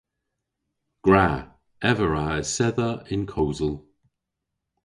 Gwra. Ev a wra esedha yn kosel.